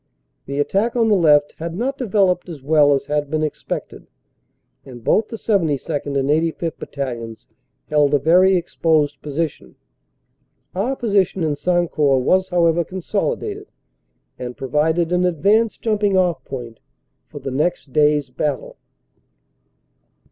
The attack on the left had not devel oped as well as had been expected, and both the 72nd. and 85th. Battalions held a very exposed position. Our position in San court was however consolidated and provided an advanced jumping off point for the next day s battle.